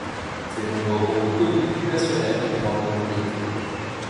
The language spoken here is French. Ses nombreux rôles comiques lui assurèrent une grande notoriété.